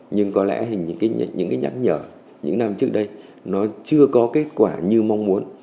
nhưng có lẽ những cái nhắc nhở những năm trước đây nó chưa có kết quả như mong muốn